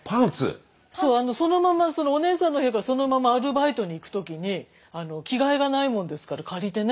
そうそのままお姉さんの部屋からそのままアルバイトに行く時に着替えがないもんですから借りてね。